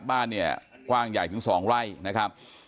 บ้านเนี่ยกว้างใหญ่ถึง๒ไร่นะครับ